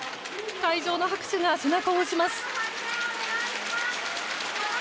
会場の拍手が背中を押します。